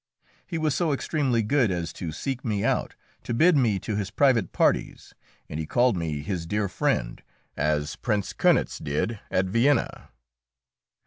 He was so extremely good as to seek me out, to bid me to his private parties, and he called me his "dear friend," as Prince Kaunitz did at Vienna.